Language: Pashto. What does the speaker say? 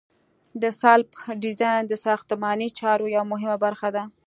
د سلب ډیزاین د ساختماني چارو یوه مهمه برخه ده